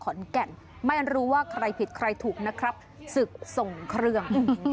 ไม่รู้ว่าใครผิดใครถูกนะครับศึกส่งเครื่อง